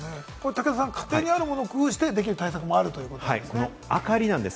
武田さん、家庭にあるものを工夫して対策できるものもあるということですね。